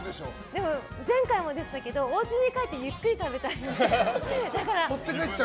でも前回もでしたけどおうちに帰ってゆっくり食べたいので。